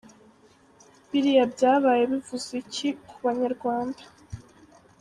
Biriya byabaye bivuze iki ku banyarwanda?